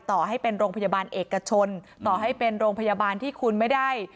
ต่อให้เป็นโรงพยาบาลเอกชนต่อให้เป็นโรงพยาบาลที่คุณไม่ได้